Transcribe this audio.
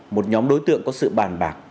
một nhóm đối tượng có sự bàn bạc